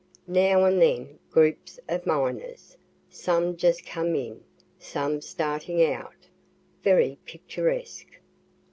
Now and then groups of miners, some just come in, some starting out, very picturesque.